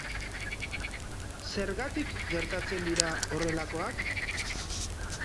Zergatik gertatzen dira horrelakoak?